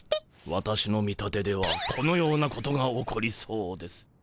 私の見立てではこのようなことが起こりそうです。